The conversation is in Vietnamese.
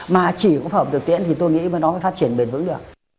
mà chỉ có phù hợp thực tiễn thì tôi nghĩ mới nó mới phát triển bền vững được